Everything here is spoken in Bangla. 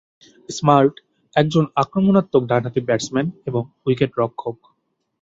স্মার্ট একজন আক্রমণাত্মক ডানহাতি ব্যাটসম্যান এবং উইকেটরক্ষক।